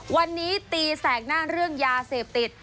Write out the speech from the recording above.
วันนี้ตีแสกหน้าเรื่องยาเสพติด